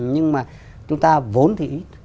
nhưng mà chúng ta vốn thì